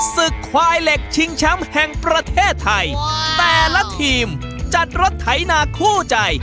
ศึกควายเหล็กชิงแชมป์แห่งประเทศไทยแต่ละทีมจัดรถไถนาคู่ใจ